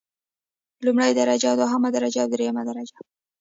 لومړۍ درجه او دوهمه درجه او دریمه درجه.